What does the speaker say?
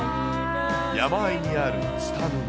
山あいにある蔦沼。